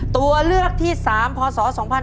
ตัวเลือกที่๓พศ๒๕๕๙